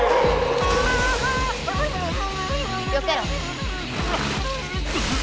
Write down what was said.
よけろ。